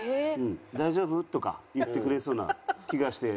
「大丈夫？」とか言ってくれそうな気がして。